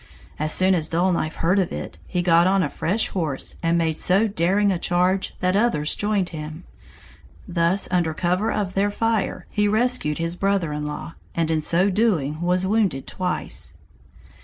As soon as Dull Knife heard of it he got on a fresh horse, and made so daring a charge that others joined him; thus under cover of their fire he rescued his brother in law, and in so doing was wounded twice.